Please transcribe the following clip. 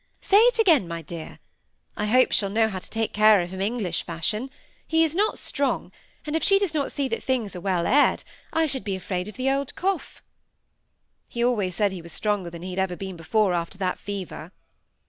Say it again, my dear. I hope she'll know how to take care of him, English fashion. He is not strong, and if she does not see that his things are well aired, I should be afraid of the old cough." "He always said he was stronger than he had ever been before, after that fever."